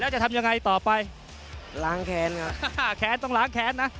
แล้วจะทำยังไงต่อไปล้างแขนครับแขนต้องล้างแขนนะ